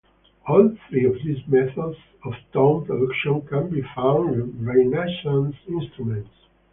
All three of these methods of tone production can be found in Renaissance instruments.